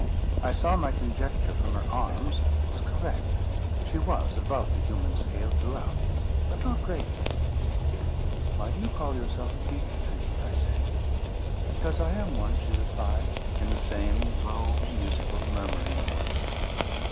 I saw my conjecture from her arms was correct: she was above the human scale throughout, but not greatly. "Why do you call yourself a beech tree?" I said. "Because I am one," she replied, in the same low, musical, murmuring voice.